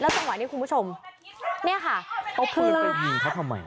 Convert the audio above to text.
แล้วจังหวัดนี้คุณผู้ชมเนี่ยค่ะ